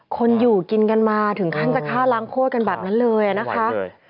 คนอยู่กินกันมาถึงขั้นจะฆ่าล้างโคตรกันแบบนั้นเลยนะคะ